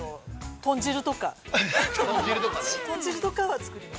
豚汁とかは作ります。